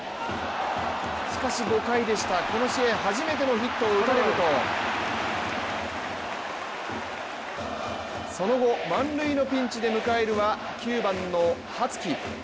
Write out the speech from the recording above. しかし５回でしたこの試合初めてのヒットを打たれるとその後、満塁のピンチで迎えるは９番の羽月。